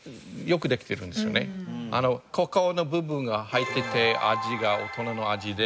カカオの部分が入っていて味が大人の味で。